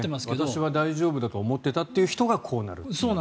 私は大丈夫だと思っていたという人がこうなるという。